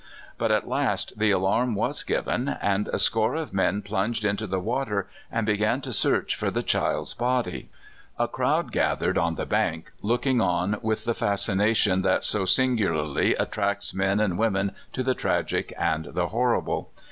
But at last the alarm was given, and a score of men plunged into the water and began to search for the child's body. NORTH BEACH, SAN FRANCISCO. 121 A crowd gathered on the bank, looking on with the fascination that so singularly attracts men and women to the tragic and the horrible.